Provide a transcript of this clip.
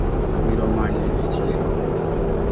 Abiro manye echiro